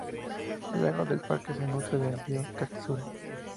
El lago del parque se nutre del río Katsura.